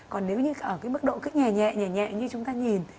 còn nếu như ở mức độ nhẹ nhẹ như chúng ta nhìn